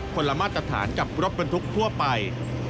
คนละมาตรฐานกับรถบรรทุกทั่วไป